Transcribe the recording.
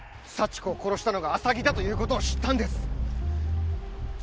幸子を殺したのが浅木だという事を知ったんです。